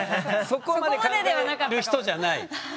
そこまで考える人じゃない？